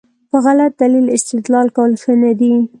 په غلط دلیل استدلال کول ښه نه دي.